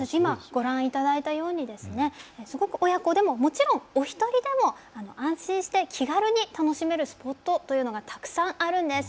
ご覧いただいたように親子でももちろんお一人でも安心しして気軽に楽しめるポイントというのはたくさんあるんです。